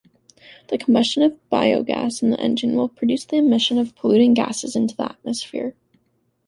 The combustion of biogas in the engine will produce the emission of polluting gases into the atmosphere.